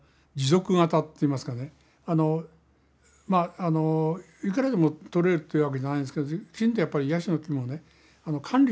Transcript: まああのいくらでもとれるってわけじゃないんですけどきちんとやっぱりヤシの木もね管理してるわけですよね。